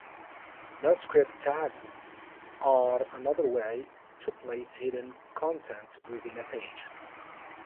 "Noscript" tags are another way to place hidden content within a page.